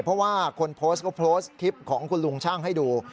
เพราะว่าคนโพสต์ก็โพสต์คลิปของคุณลุงช่างให้ดู